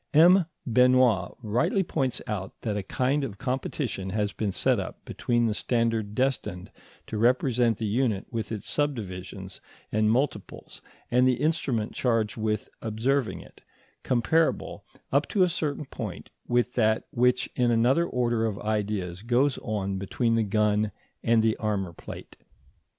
M. Benoit rightly points out that a kind of competition has been set up between the standard destined to represent the unit with its subdivisions and multiples and the instrument charged with observing it, comparable, up to a certain point, with that which in another order of ideas goes on between the gun and the armour plate.